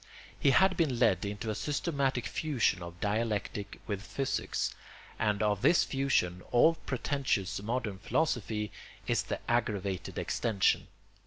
He had been led into a systematic fusion of dialectic with physics, and of this fusion all pretentious modern philosophy is the aggravated extension.